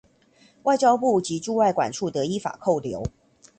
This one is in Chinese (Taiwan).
外交部及駐外館處得依法扣留